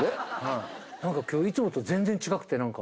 なんか今日いつもと全然違くてなんか。